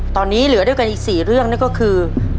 ตอนนี้เหลือด้วยกันอีก๔เรื่องนั่นก็คือ